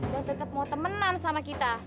dan tetep mau temenan sama kita